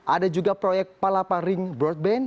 ada juga proyek palapa ring broadband